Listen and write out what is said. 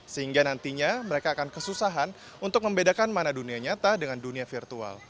sehingga nantinya mereka akan kesusahan untuk membedakan mana dunia nyata dengan dunia virtual